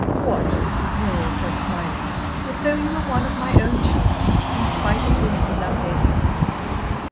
"What," the Superior said, smiling, "as though you were one of my own children, in spite of being a young lady of the world?"